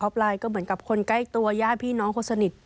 อฟไลน์ก็เหมือนกับคนใกล้ตัวย่ายพี่น้องคนสนิท